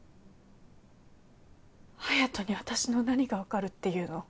隼斗に私の何が分かるっていうの。